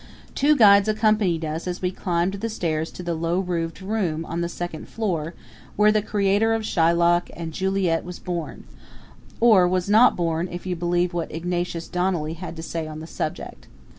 Two guides accompanied us as we climbed the stairs to the low roofed room on the second floor where the creator of Shylock and Juliet was born or was not born, if you believe what Ignatius Donnelly had to say on the subject.